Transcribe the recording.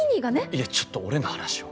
いやちょっと俺の話を。